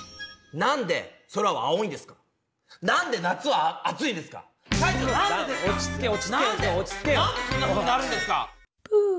なんでそんなふうになるんですか！？